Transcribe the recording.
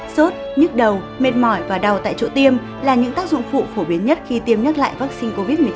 sốt nhức đầu mệt mỏi và đau tại chỗ tiêm là những tác dụng phụ phổ biến nhất khi tiêm nhắc lại vaccine covid một mươi chín